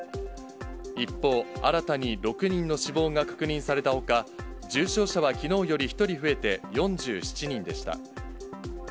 一方、新たに６人の死亡が確認されたほか、重症者はきのうより１人増えて４７人でした。